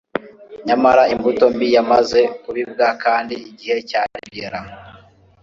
nyamara imbuto mbi yari yamaze kubibwa kandi igihe cyari kugera